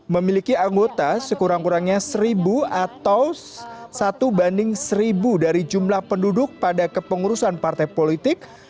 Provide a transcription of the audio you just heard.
memiliki anggota sekurang kurangnya seribu atau satu banding seribu dari jumlah penduduk pada kepengurusan partai politik